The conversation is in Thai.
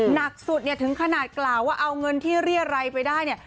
หนักสุดเนี่ยถึงขนาดกล่าวว่าเอาเงินที่เรียรัยไปได้เนี่ย